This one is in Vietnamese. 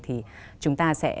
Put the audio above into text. thì chúng ta sẽ